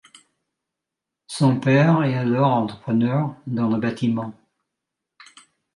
Son père est alors entrepreneur dans le bâtiment.